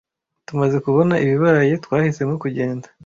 Tumaze kubona ibibaye, twahisemo kugenda.